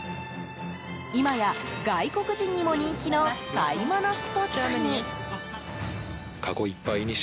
今や外国人にも人気の買い物スポットに。